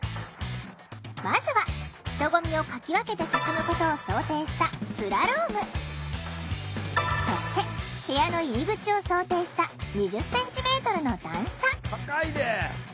まずは人混みをかき分けて進むことを想定したそして部屋の入り口を想定した高いで。